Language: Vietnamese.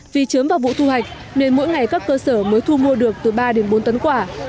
vì chớm vào vụ thu hoạch nên mỗi ngày các cơ sở mới thu mua được từ ba đến bốn tấn quả